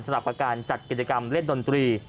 สำหรับการจัดกิจกรรมเล่นดนตรี